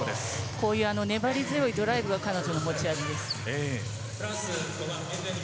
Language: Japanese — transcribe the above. こういう粘りづらいドライブが彼女の持ち味です。